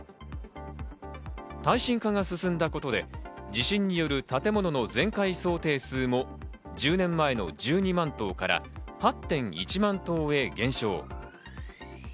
耐震化が進んだことで地震による建物の全壊想定数も１０年前の１２万棟から８．１万棟へ減少。